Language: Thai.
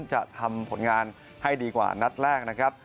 จะทำผลงานให้ดีกว่านัดแรกนะครับ